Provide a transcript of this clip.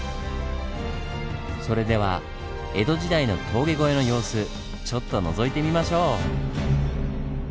それでは江戸時代の峠越えの様子ちょっとのぞいてみましょう！